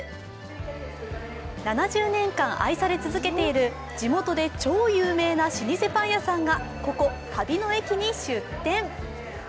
７０年間愛され続けている地元で超有名な老舗パン屋さんがここ旅の駅に出店。